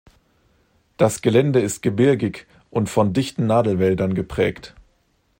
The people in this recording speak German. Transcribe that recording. Das Gelände ist gebirgig und von dichten Nadelwäldern geprägt.